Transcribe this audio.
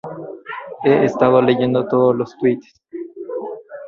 He estado leyendo todos los tuits.